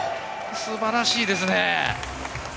素晴らしいですね。